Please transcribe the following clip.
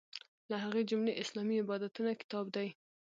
له هغې جملې اسلامي عبادتونه کتاب دی.